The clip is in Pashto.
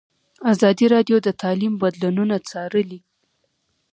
ازادي راډیو د تعلیم بدلونونه څارلي.